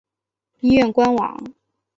医院官网